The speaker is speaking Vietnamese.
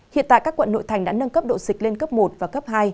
hiện tại các quận nội thành đã nâng cấp độ dịch lên cấp một và cấp hai